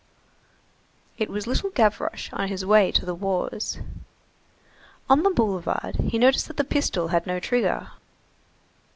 44 It was little Gavroche on his way to the wars. On the boulevard he noticed that the pistol had no trigger.